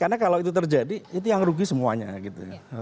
karena kalau itu terjadi itu yang rugi semuanya gitu ya